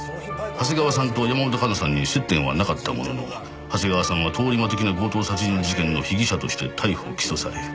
長谷川さんと山本香奈さんに接点はなかったものの長谷川さんは通り魔的な強盗殺人事件の被疑者として逮捕起訴され。